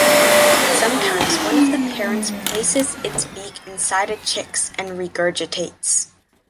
Sometimes, one of the parents places its beak inside a chick’s and regurgitates.